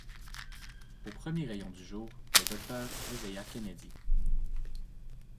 Aux premiers rayons du jour, le docteur réveilla Kennedy.